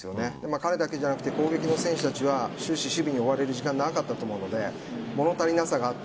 彼だけじゃなくて攻撃の選手たちは終始、守備に追われる時間が長かったと思うので物足りなさがあった。